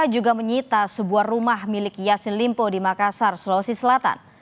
juga menyita sebuah rumah milik yassin limpo di makassar sulawesi selatan